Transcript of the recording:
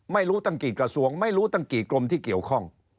ไม่รู้ตั้งกี่กระทรวงไม่รู้ตั้งกี่กรมที่เกี่ยวข้อง